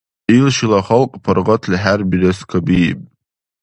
Ил шила халкь паргъатли хӀербирескабииб.